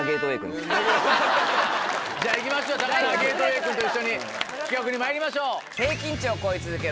じゃあいきましょう高輪ゲートウェイくんと一緒に企画にまいりましょう。